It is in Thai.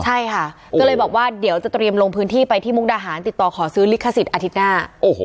ใช่ค่ะก็เลยบอกว่าเดี๋ยวจะเตรียมลงพื้นที่ไปที่มุกดาหารติดต่อขอซื้อลิขสิทธิอาทิตย์หน้า